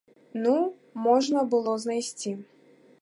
Ну, можна было знайсці.